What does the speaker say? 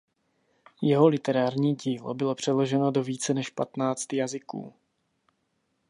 Jeho literární dílo bylo přeloženo do více než patnáct jazyků.